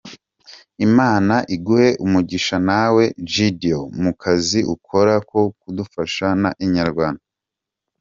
Imana iguhe umugisha nawe Gedeon mu kazi ukora ko kudufasha na Inyarwanda.